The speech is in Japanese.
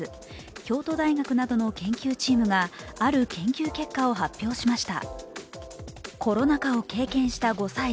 京都大学などの研究チームがある研究結果を発表しました。